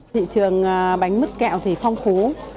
thị trường bánh mứt kẹo thì phong phú